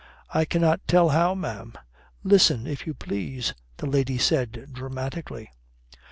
"I cannot tell how, ma'am." "Listen, if you please!" the lady said dramatically.